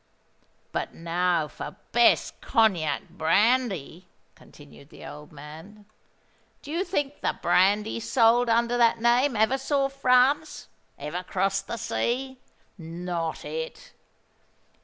But now for Best Cognac Brandy," continued the old man. "Do you think the brandy sold under that name ever saw France—ever crossed the sea? Not it!